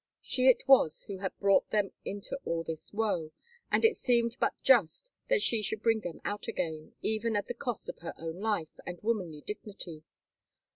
She it was who had brought them into all this woe, and it seemed but just that she should bring them out again, even at the cost of her own life and womanly dignity.